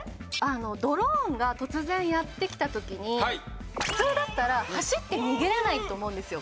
ドローンが突然やってきた時に普通だったら走って逃げれないと思うんですよ